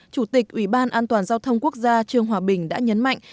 chủ tịch ủy ban an toàn giao thông quốc gia trương hòa bình đã nhấn mạnh